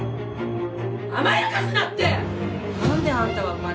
甘やかすなって！